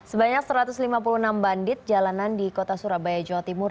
sebanyak satu ratus lima puluh enam bandit jalanan di kota surabaya jawa timur